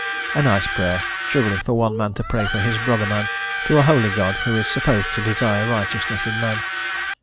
A nice prayer, truly, for one man to pray for his brother man, to a holy God who is supposed to desire righteousness in man.